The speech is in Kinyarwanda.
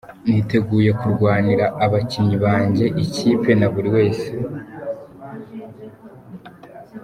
“Niteguye kurwanira abakinnyi banjye, ikipe, na buri wese.